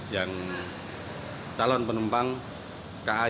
yang calon penumpang ka yang sudah pulih